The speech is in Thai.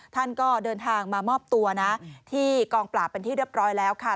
ท่านก็เดินทางมามอบตัวนะที่กองปราบเป็นที่เรียบร้อยแล้วค่ะ